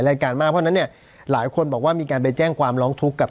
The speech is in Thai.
รายการมากเพราะฉะนั้นเนี่ยหลายคนบอกว่ามีการไปแจ้งความร้องทุกข์กับ